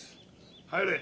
・入れ。